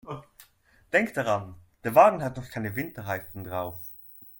Denk daran, der Wagen hat noch keine Winterreifen drauf.